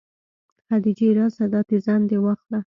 خديجې راسه دا تيزن دې واخله.